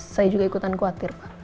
saya juga ikutan khawatir